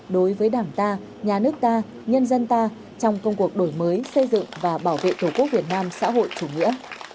đối với đảng ta nhà nước ta nhân dân ta trong công cuộc đổi mới xây dựng và bảo vệ tổ quốc việt nam xã hội chủ nghĩa